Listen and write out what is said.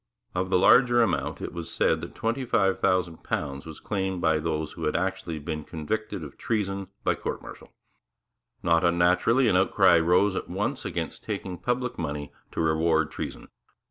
Of the larger amount, it is said that £25,000 was claimed by those who had actually been convicted of treason by court martial. Not unnaturally an outcry rose at once against taking public money to reward treason.